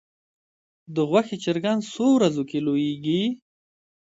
د غوښې چرګان څو ورځو کې لویږي؟